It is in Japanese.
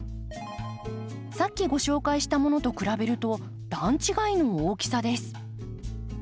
さっきご紹介したものと比べると段違いの大きさです。